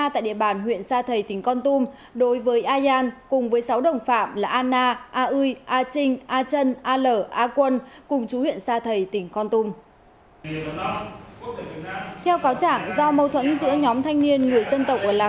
tòa nhân dân tỉnh con tum ngày hôm nay đã mở phiên tòa sơ thẩm xét xử vụ án